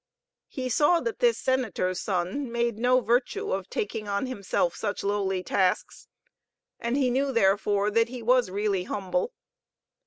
He saw that this Senator's son made no virtue of taking on himself such lowly tasks, and he knew, therefore, that he was really humble.